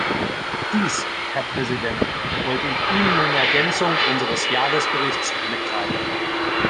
Dies, Herr Präsident, wollte ich Ihnen in Ergänzung unseres Jahresberichts mitteilen.